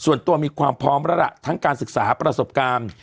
ส่วนตัวมีความพร้อมแล้วล่ะทั้งการศึกษาประสบการณ์